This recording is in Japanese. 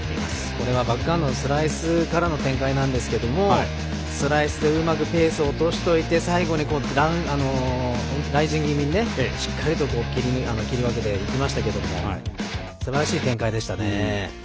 これはバックハンドのスライスからの展開ですがスライスでうまくペースを落として最後にライジング気味に切り分けてきましたけどすばらしい展開でしたね。